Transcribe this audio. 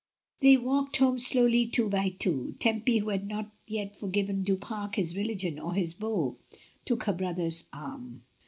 They walked home slowly two by two. Tempy, who had not yet forgiven Du Pare his religion or his bow, took her brother's arm.